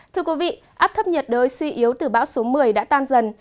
thưa quý vị áp thấp nhiệt đới suy yếu từ bão số một mươi đã tan dần